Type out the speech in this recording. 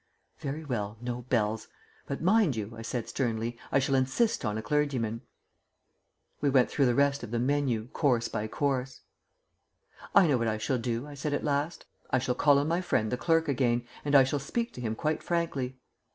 "Very well, no bells. But, mind you," I said sternly, "I shall insist on a clergyman." We went through the rest of the menu, course by course. "I know what I shall do," I said at last. "I shall call on my friend the Clerk again, and I shall speak to him quite frankly.